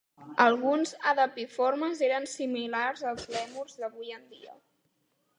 Alguns adapiformes eren similars als lèmurs d'avui en dia.